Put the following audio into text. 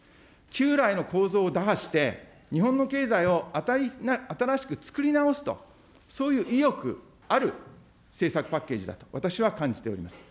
旧来の構造を打破して、日本の経済を新しく作り直すと、そういう意欲ある政策パッケージだと、私は感じております。